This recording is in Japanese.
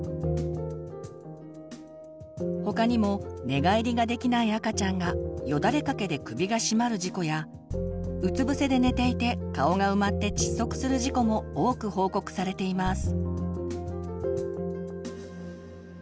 他にも寝返りができない赤ちゃんがよだれかけで首がしまる事故やうつ伏せで寝ていて顔が埋まって窒息する事故も多く報告されています。